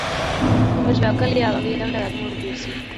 Es veu que li havia agradat moltíssim.